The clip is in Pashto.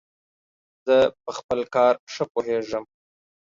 زه په خپل کار ښه پوهیژم.